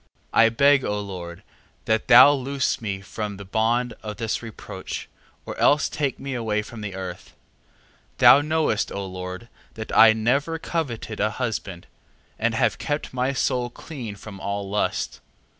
3:15. I beg, O Lord, that thou loose me from the bond of this reproach, or else take me away from the earth. 3:16. Thou knowest, O Lord, that I never coveted a husband, and have kept my soul clean from all lust.